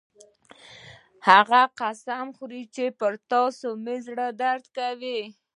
هغه قسم خوري چې پر تاسو مې زړه درد کوي